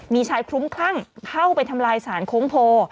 มีชายคลุ้มคลั่งเข้าไปทำลายสารโค้งโพ